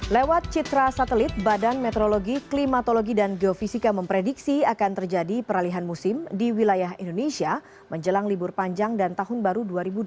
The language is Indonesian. lewat citra satelit badan meteorologi klimatologi dan geofisika memprediksi akan terjadi peralihan musim di wilayah indonesia menjelang libur panjang dan tahun baru dua ribu dua puluh